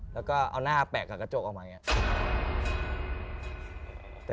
แล้วก็เอาหน้าแปะกับกระจกออกมา